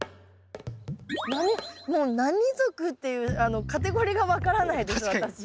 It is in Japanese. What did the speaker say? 何もう何属っていうカテゴリーが分からないです